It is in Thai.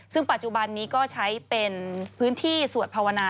ซึ่งปัจจุบันนี้ก็ใช้เป็นพื้นที่สวดภาวนา